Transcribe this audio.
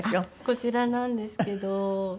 こちらなんですけど。